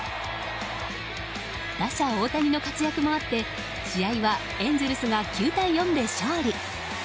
打者・大谷の活躍もあって試合はエンゼルスが９対４で勝利。